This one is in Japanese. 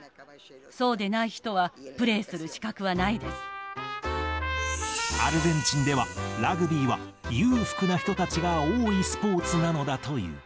そうでない人はプアルゼンチンでは、ラグビーは裕福な人たちが多いスポーツなのだという。